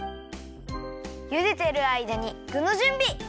ゆでてるあいだにぐのじゅんび！